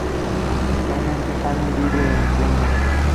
Actualmente, Hamid vive en Tánger.